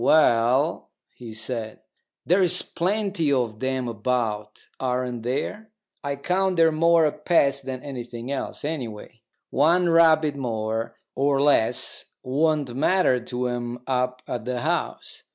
"Well," he said, "there's plenty of them about, aren't there? I count they're more a pest than anything else. Anyway, one rabbit more or less won't matter to 'em up at the House.